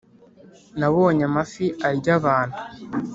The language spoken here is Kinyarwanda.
Nabonye amafi arya abantu